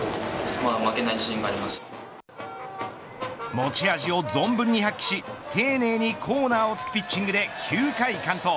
持ち味を存分に発揮し丁寧にコーナーをつくピッチングで９回を完投。